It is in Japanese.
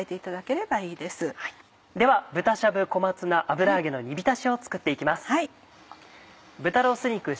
では「豚しゃぶ小松菜油揚げの煮びたし」を作って行きます。